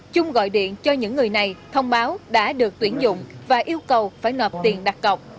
trung gọi điện cho những người này thông báo đã được tuyển dụng và yêu cầu phải nộp tiền đặt cọc